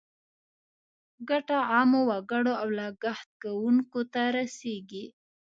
ګټه عامو وګړو او لګښت کوونکو ته رسیږي.